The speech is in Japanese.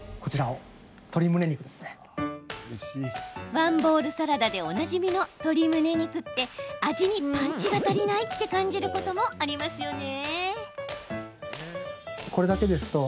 ワンボウルサラダでおなじみの鶏むね肉って味にパンチが足りないと感じることもありますよね。